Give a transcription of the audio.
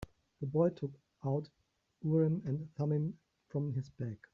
The boy took out Urim and Thummim from his bag.